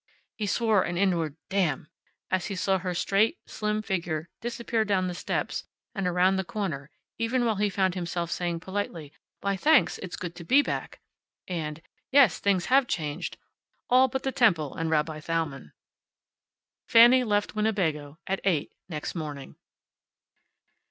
He swore a deep inward "Damn!" as he saw her straight, slim figure disappear down the steps and around the corner, even while he found himself saying, politely, "Why, thanks! It's good to BE back." And, "Yes, things have changed. All but the temple, and Rabbi Thalmann." Fanny left Winnebago at eight next morning.